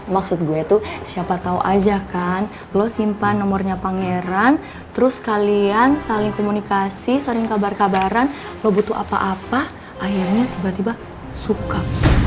maksud gue itu siapa tau aja kan lo simpan nomornya pangeran terus kalian saling komunikasi saling kabar kabaran lo butuh apa apa akhirnya tiba tiba suka